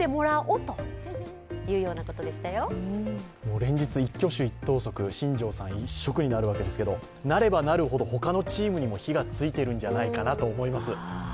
連日、一挙手一投足、新庄さん一色になりますけどなればなるほど他のチームにも火がついているんじゃないかなと思います。